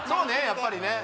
やっぱりね